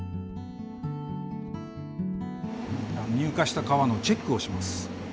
入荷した革のチェックをします。